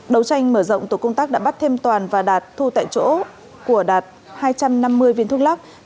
đấu tranh mở rộng tổ công tác đã bắt thêm toàn và đạt thu tại chỗ của đạt hai trăm năm mươi viên thuốc lắc